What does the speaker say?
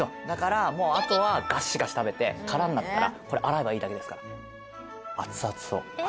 だからもうあとはガシガシ食べて空になったらこれ洗えばいいだけですから。